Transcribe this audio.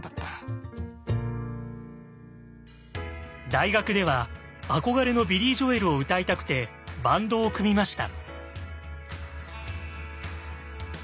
大学では憧れのビリー・ジョエルを歌いたくてバンドを組みました。